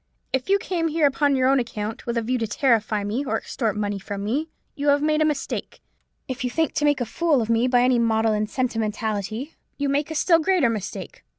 If you came here upon your own account, with a view to terrify me, or to extort money from me, you have made a mistake. If you think to make a fool of me by any maudlin sentimentality, you make a still greater mistake.